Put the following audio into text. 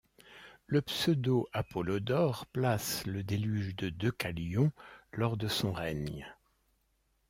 Le pseudo-Apollodore place le déluge de Deucalion lors de son règne.